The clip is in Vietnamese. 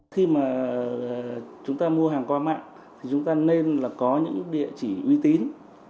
khi mà chúng ta mua hàng qua mạng thì chúng ta nên là có những địa chỉ uy tín